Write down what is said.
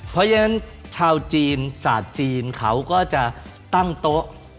เพราะฉะนั้นชาวจีนศาสตร์จีนเขาก็จะตั้งโต๊ะ